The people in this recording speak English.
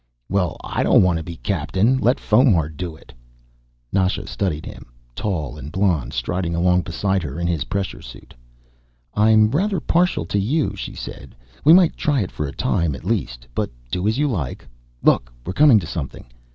"Well, I don't want to be captain. Let Fomar do it." Nasha studied him, tall and blond, striding along beside her in his pressure suit. "I'm rather partial to you," she said. "We might try it for a time, at least. But do as you like. Look, we're coming to something."